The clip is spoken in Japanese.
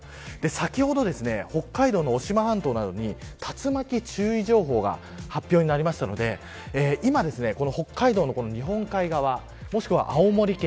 先ほど、北海道の渡島半島などに竜巻注意情報が発表になったので今、北海道の日本海側もしくは、青森県、